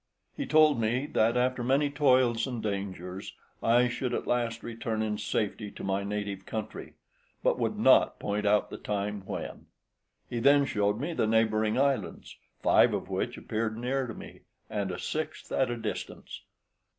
He told me that, after many toils and dangers, I should at last return in safety to my native country, but would not point out the time when. He then showed me the neighbouring islands, five of which appeared near to me, and a sixth at a distance.